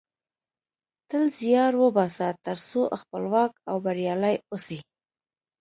تل زیار وباسه ترڅو خپلواک او بریالۍ اوسی